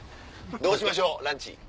どうしましょう？ランチ。